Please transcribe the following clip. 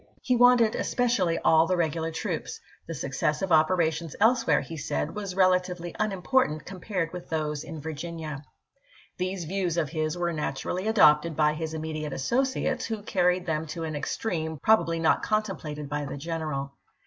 He wanted especially all the regular troops ; the suc cess of operations elsewhere, he said, was relatively unimportant compared with those in Virginia. These views of his were naturally adopted by his immediate associates, who carried them to an ex treme probably not contemplated by the general.